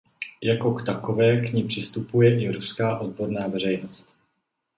Jako k takové k ní přistupuje i ruská odborná veřejnost.